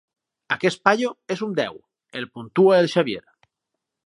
Aquest paio és un deu —el puntua el Xavier.